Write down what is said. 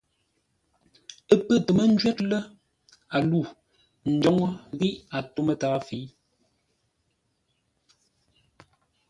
Ə́ pə́ tə mə́ ńjwə́r lə́, a lû ńdwóŋə́ ghíʼ a tó mətǎa fə̌i.